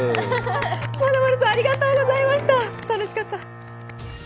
まなまるさん、ありがとうございました、楽しかった。